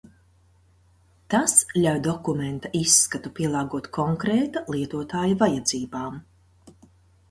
Tas ļauj dokumenta izskatu pielāgot konkrēta lietotāja vajadzībām.